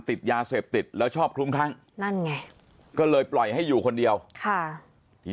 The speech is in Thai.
ติดยาเสบติดและชอบคุ้มคลั่งก็เลยปล่อยให้อยู่คนเดียวพี่